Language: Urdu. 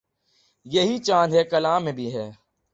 یہی چاند ہے کلاں میں بھی ہے